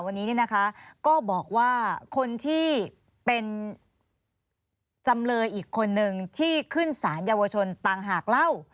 วันนี้ก็บอกว่าคนที่เป็นจำเลยอีกคนนึงที่ขึ้นสารเยาวชนต่างหากเล่า